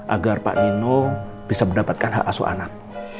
agar pak nino bisa mendapatkan hak asuh anak